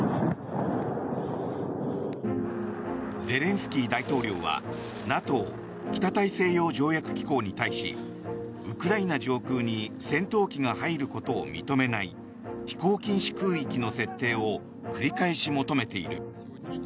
ゼレンスキー大統領はＮＡＴＯ・北大西洋条約機構に対しウクライナ上空に戦闘機が入ることを認めない飛行禁止空域の設定を繰り返し求めている。